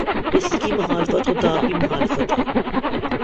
اس کی مخالفت خدا کی مخالفت ہے۔